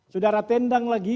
saudara tendang lagi